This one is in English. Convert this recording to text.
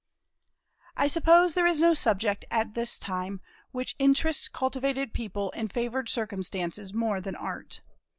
I suppose there is no subject, at this time, which interests cultivated people in favored circumstances more than Art.